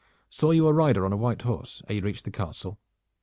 Saw you a rider on a white horse ere you reached the Castle?"